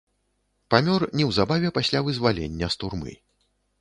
Памёр неўзабаве пасля вызвалення з турмы.